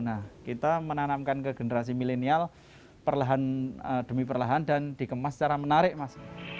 nah kita menanamkan ke generasi milenial perlahan demi perlahan dan dikemas secara menarik mas